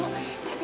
pernah nge pelewati